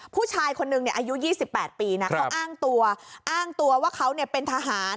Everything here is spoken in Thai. ผู้ชายคนนึงอายุ๒๘ปีนะเขาอ้างตัวอ้างตัวว่าเขาเป็นทหาร